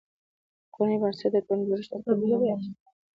د کورنۍ بنسټ د ټولني د جوړښت تر ټولو لومړۍ او مهمه برخه ده.